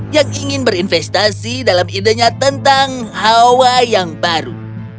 yang ingin berinvestasi dalam idenya tentang hawa yang baru